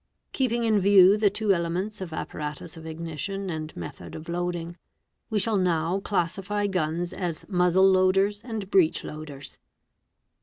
Keeping in view the two elements of ot paratus of ignition and method of loading, we shall now classify guns as muzzle loaders and breech loaders.